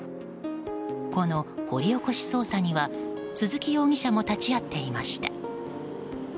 この掘り起し捜査には鈴木容疑者も立ち会っていました。